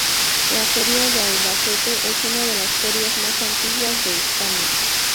La Feria de Albacete es una de las ferias más antiguas de España.